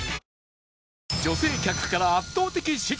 女性客から圧倒的支持！